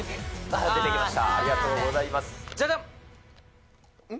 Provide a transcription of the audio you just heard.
出てきました。